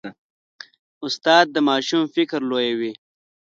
استاد د ماشوم فکر لویوي.